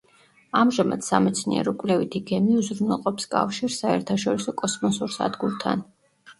ამჟამად სამეცნიერო-კვლევითი გემი უზრუნველყოფს კავშირს საერთაშორისო კოსმოსურ სადგურთან.